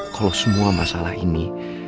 kalau semua masalah ini